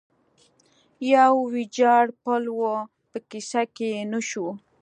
یو ویجاړ پل و، په کیسه کې یې نه شو.